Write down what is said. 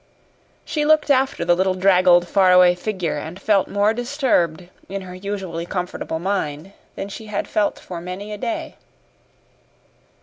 She looked after the little draggled far away figure and felt more disturbed in her usually comfortable mind than she had felt for many a day.